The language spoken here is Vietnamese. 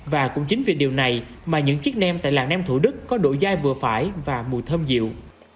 và cũng chính vì điều này mà những chiếc nem tại làng nem thủ đức có độ dai vừa phải và mùi thơm dịu